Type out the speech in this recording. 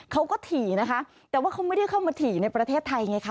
เขาก็ถี่นะคะแต่ว่าเขาไม่ได้เข้ามาถี่ในประเทศไทยไงคะ